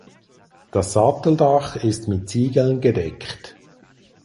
Das Satteldach ist mit Ziegeln gedeckt.